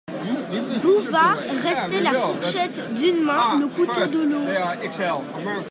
Bouvard restait la fourchette d'une main, le couteau de l'autre.